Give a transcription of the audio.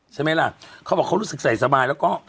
ใช่ไหมล่ะเขาบอกเขารู้สึกใส่สบายแล้วก็